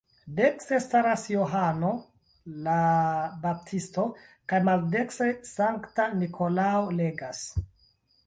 Dekstre staras Johano la Baptisto, kaj maldekstre Sankta Nikolao legas.